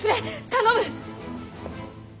頼む！